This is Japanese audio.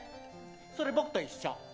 それ僕と一緒。